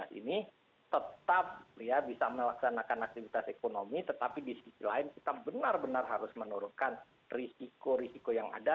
ini tetap bisa melaksanakan aktivitas ekonomi tetapi di sisi lain kita benar benar harus menurunkan risiko risiko yang ada